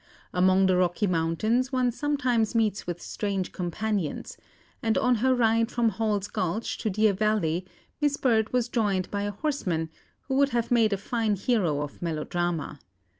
Among the Rocky Mountains one sometimes meets with strange companions; and on her ride from Hall's Gulch to Deer Valley Miss Bird was joined by a horseman, who would have made a fine hero of melodrama.